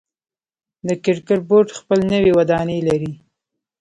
د کرکټ بورډ خپل نوی ودانۍ لري.